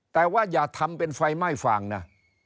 แต่ว่าอย่าทำเป็นไฟไหม้ฟางนะ